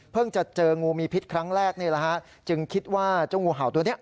จะเจองูมีพิษครั้งแรกนี่แหละฮะจึงคิดว่าเจ้างูเห่าตัวนี้